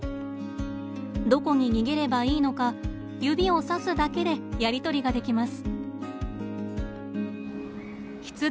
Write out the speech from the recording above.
どこに逃げればいいのか指をさすだけでやりとりができます。